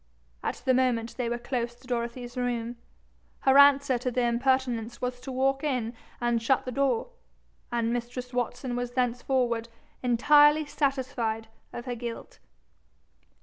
At the moment they were close to Dorothy's room; her answer to the impertinence was to walk in and shut the door; and mistress Watson was thenceforward entirely satisfied of her guilt.